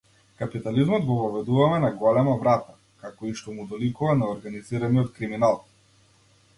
Капитализмот го воведуваме на голема врата, како и што му доликува на организираниот криминал.